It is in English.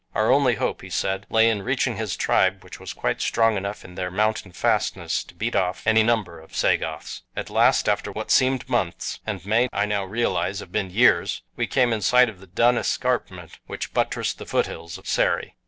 Our only hope, he said, lay in reaching his tribe which was quite strong enough in their mountain fastness to beat off any number of Sagoths. At last, after what seemed months, and may, I now realize, have been years, we came in sight of the dun escarpment which buttressed the foothills of Sari.